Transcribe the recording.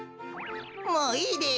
もういいです。